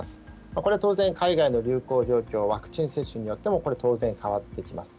これ、当然、海外の流行状況、ワクチン接種によってもこれ、当然変わってきます。